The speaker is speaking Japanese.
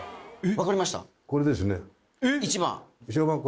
分かりました？